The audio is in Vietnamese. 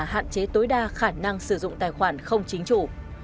hạn chế tối đa khả năng sử dụng tài khoản không chính chủ